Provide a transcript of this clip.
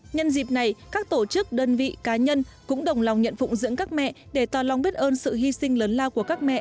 nhân dịp này các tổ chức đơn vị cá nhân cũng đồng lòng nhận phụng dưỡng các mẹ để tỏ lòng biết ơn sự hy sinh lớn lao của các mẹ